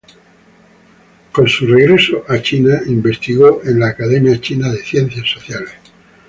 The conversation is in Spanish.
Con su regreso a China, investigó en la Academia China de Ciencias Sociales.